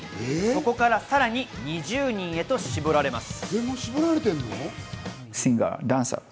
そこからさらに２０人へと絞られます。